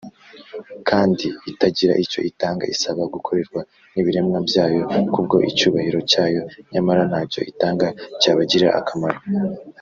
kandi itagira icyo itanga, isaba gukorerwa n’ibiremwa byayo kubwo icyubahiro cyayo, nyamara ntacyo itanga cyabagirira akamaro